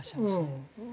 うん。